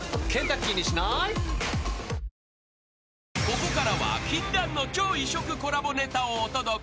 ［ここからは禁断の超異色コラボネタをお届け］